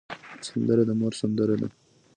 سندره د مور سندره ده